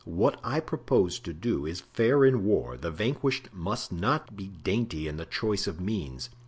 What I propose to do is fair in war; the vanquished must not be dainty in the choice of means.